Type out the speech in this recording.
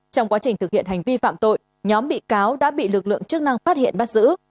trong quá trình thực hiện hành vi phạm tội nhóm bị cáo đã bị lực lượng chức năng phát hiện bắt giữ